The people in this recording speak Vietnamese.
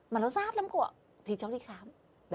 mà nó rát lắm cộng thì cháu đi khám